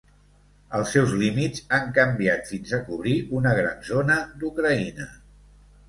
Els seus límits han canviat fins a cobrir una gran zona d'Ucraïna.